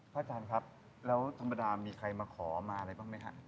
พระอาจารย์ครับแล้วธรรมดามีใครมาขอเมื่อไรบ้างมั้ยคะ